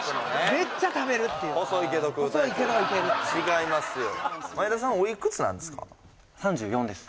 めっちゃ食べるっていう違いますよ